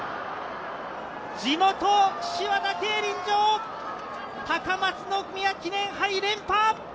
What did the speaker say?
地元・岸和田競輪場、高松宮記念杯、連覇！